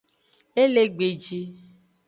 E le gbeji.